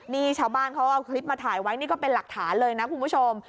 นี่ชาวบ้านเขาเอาคลิปมาถ่ายไว้นี่ก็เป็นหลักฐานเลยนะคุณผู้ชม